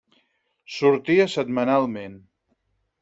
Sortia setmanalment.